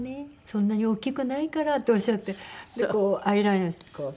そんなに大きくないから」っておっしゃってこうアイラインをされて。